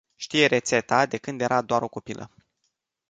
Știe rețeta de când era doar o copilă.